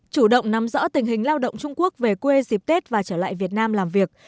chủ động nắm rõ tình hình lao động trung quốc về quê dịp tết và trở lại việt nam làm việc